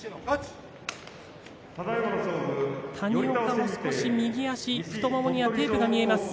谷岡も少し右足太ももにはテープが見えます。